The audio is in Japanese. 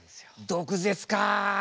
毒舌か。